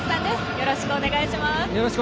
よろしくお願いします。